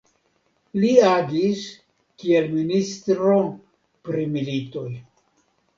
Li agis kiel ministro pri militoj.